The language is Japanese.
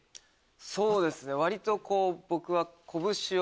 そうですね割と僕は。